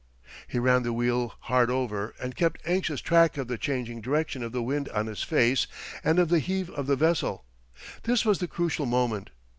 He ran the wheel hard over and kept anxious track of the changing direction of the wind on his face and of the heave of the vessel. This was the crucial moment.